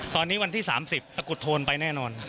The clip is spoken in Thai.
ตอนนี้วันที่๓๐ตะกุดโทนไปแน่นอน